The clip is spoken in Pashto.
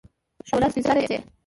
شوله! سپين سپيره شې.